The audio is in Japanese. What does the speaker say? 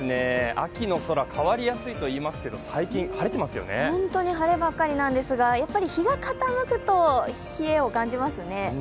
秋の空、変わりやすいといいますけど、本当に晴ればかりなんですが日が傾くと冷えを感じますね。